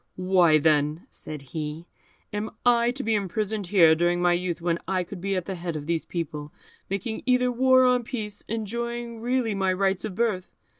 "Why, then," said he, "am I to be imprisoned here during my youth, when I could be at the head of these people, making either war or peace, enjoying really my rights of birth?